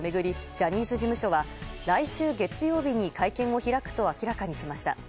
ジャニーズ事務所は来週月曜日に会見を開くと明らかにしました。